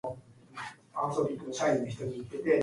Wilpon also discussed the possibility of buying the Islanders.